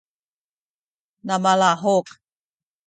na malahuk